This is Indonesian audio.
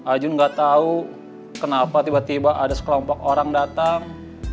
ajun nggak tahu kenapa tiba tiba ada sekelompok orang datang